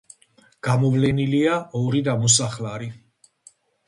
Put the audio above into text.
გამოვლენილია ორი ნამოსახლარი.